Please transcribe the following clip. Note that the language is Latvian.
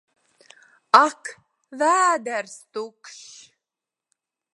Ak! Vēders tukšs!